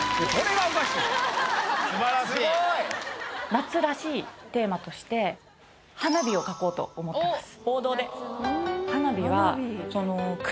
夏らしいテーマとして花火を描こうと思ってます。